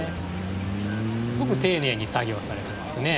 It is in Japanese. すごく丁寧に作業されてますね。